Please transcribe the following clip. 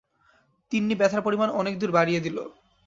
তিন্নি ব্যথার পরিমাণ অনেক দূর বাড়িয়ে দিল।